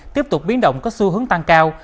tiếp tục biến động có xu hướng tăng cao